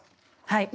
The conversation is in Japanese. はい。